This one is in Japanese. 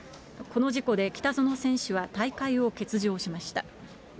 この事故で北薗選手は大会を欠場しました。